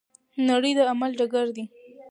نړۍ د عمل ډګر دی.